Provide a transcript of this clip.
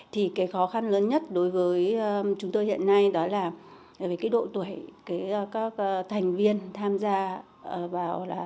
thì cái khó khăn lớn nhất đối với chúng tôi hiện nay đó là về cái độ tuổi các thành viên tham gia vào là